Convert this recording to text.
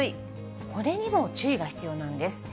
これにも注意が必要なんです。